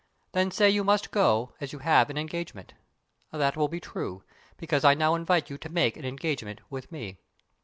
Then say you must go, as you have an engagement. That will be true, because I now invite you to make an engagement with me.